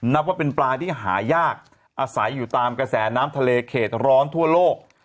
นับว่าเป็นปลาที่หายากอาศัยอยู่ตามกระแสน้ำทะเลเขตร้อนทั่วโลก